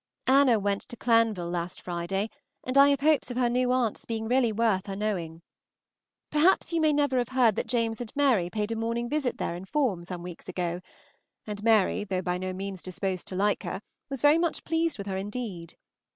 Anna went to Clanville last Friday, and I have hopes of her new aunt's being really worth her knowing. Perhaps you may never have heard that James and Mary paid a morning visit there in form some weeks ago, and Mary, though by no means disposed to like her, was very much pleased with her indeed.